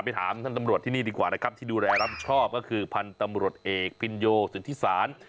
ถามท่านตำรวจที่นี่ดีกว่านะครับที่ดูแลรับชอบก็คือพันธุ์ตำรวจเอกพินโยสุธิศาล